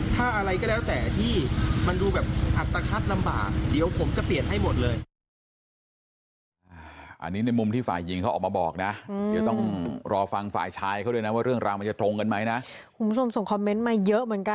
ถ้าอะไรก็แล้วแต่ที่มันดูแบบอัตภัทลำบากเดี๋ยวผมจะเปลี่ยนให้หมดเลย